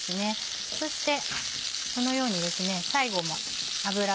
そしてこのようにですね最後も脂を。